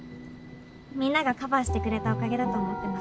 みんながカバーしてくれたおかげだと思ってます。